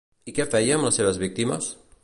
I què feia amb les seves víctimes?